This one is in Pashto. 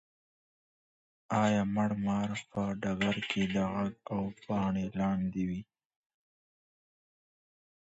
ایا مړ مار په ډګر کي د ږغ او پاڼي لاندې و؟